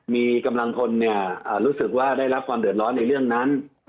มีกำลังคนรู้สึกว่าได้รับความเดือดร้อนในเรื่องนั้น